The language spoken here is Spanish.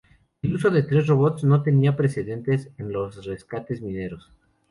El uso de tres robots no tenía precedentes en los rescates mineros.